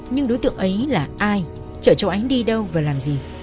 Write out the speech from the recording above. nhưng đối tượng ấy là ai chở cháu ánh đi đâu và làm gì